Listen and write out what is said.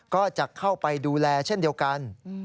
ก็จะเข้าไปดูแลเช่นเดียวกัน